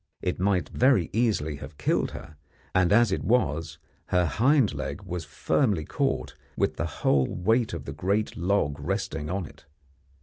It might very easily have killed her, and as it was her hind leg was firmly caught, with the whole weight of the great log resting on it.